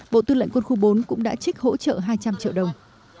bộ tư lệnh quân khu bốn cũng đã trích hỗ trợ hai trăm linh triệu đồng